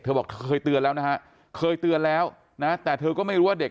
บอกเคยเตือนแล้วนะฮะเคยเตือนแล้วนะแต่เธอก็ไม่รู้ว่าเด็ก